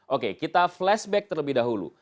oke kita flashback terlebih dahulu